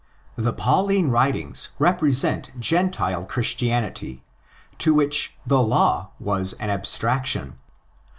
The Pauline writings represent Gentile Christianity, to which "' the law' was an abstraction.